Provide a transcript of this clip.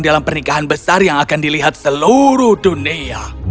dalam pernikahan besar yang akan dilihat seluruh dunia